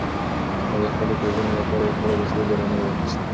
ما د خپلې کوژدنې لپاره یو ښکلی د سرو زرو امیل واخیست.